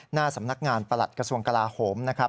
หน้าสำนักงานประหลัดกระทรวงกลาโหมนะครับ